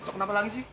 kenapa lagi sih